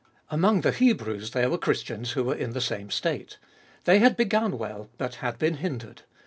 Among the Hebrews there were Christians who were in the same state. They had begun well, but had been hindered.